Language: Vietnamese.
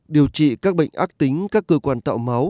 điều trị các bệnh ác tính các cơ quan tạo máu